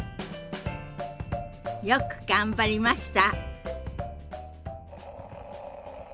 よく頑張りました！